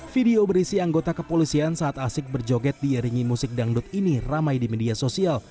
video berisi anggota kepolisian saat asik berjoget diiringi musik dangdut ini ramai di media sosial